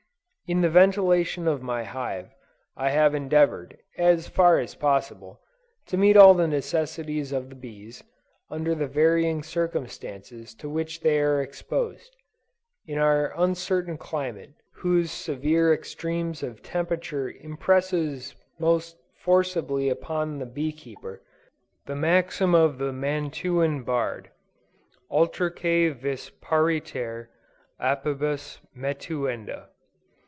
In the ventilation of my hive, I have endeavored, as far as possible, to meet all the necessities of the bees, under the varying circumstances to which they are exposed, in our uncertain climate, whose severe extremes of temperature impress most forcibly upon the bee keeper, the maxim of the Mantuan Bard, "Utraque vis pariter apibus metuenda."